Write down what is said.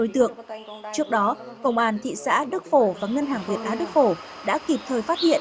trước đó công an thị xã đức phổ và ngân hàng huyện a đức phổ đã kịp thời phát hiện